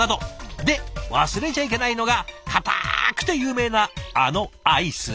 で忘れちゃいけないのがかたくて有名なあのアイス。